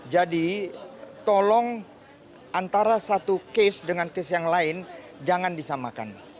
jadi tolong antara satu kes dengan kes yang lain jangan disamakan